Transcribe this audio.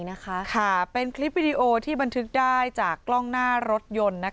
นะคะเป็นคลิปวิดีโอที่บันทึกได้จากกล้องหน้ารถยนต์